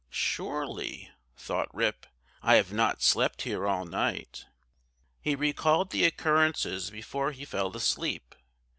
"Surely," thought Rip, "I have not slept here all night." He recalled the occurrences before he fell asleep.